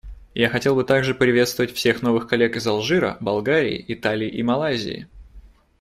Я хотел бы также приветствовать всех новых коллег из Алжира, Болгарии, Италии и Малайзии.